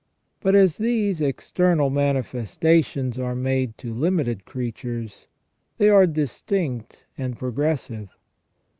But as these external manifestations are made to limited creatures, they are distinct and progressive.